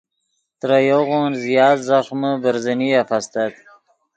ترے یوغون زیات ځخمے برزنیف استت